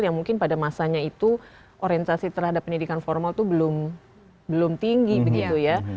yang mungkin pada masanya itu orientasi terhadap pendidikan formal itu belum tinggi begitu ya